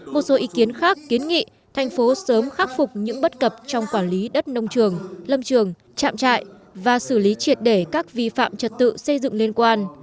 một số ý kiến khác kiến nghị thành phố sớm khắc phục những bất cập trong quản lý đất nông trường lâm trường trạm trại và xử lý triệt để các vi phạm trật tự xây dựng liên quan